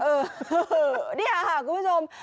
เออนี่ค่ะคุณผู้ชม